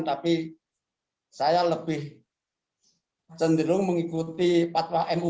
tapi saya lebih cenderung mengikuti fatwa nu